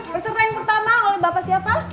peserta yang pertama oleh bapak siapa